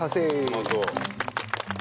うまそう。